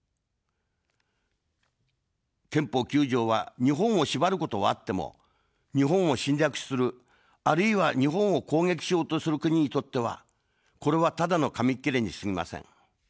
憲法９条は日本を縛ることはあっても、日本を侵略する、あるいは日本を攻撃しようとする国にとっては、これは、ただの紙切れにすぎません。